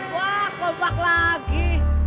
wah kompak lagi